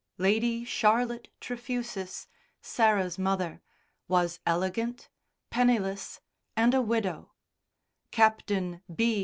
Lady Charlotte Trefusis, Sarah's mother, was elegant, penniless and a widow; Captain B.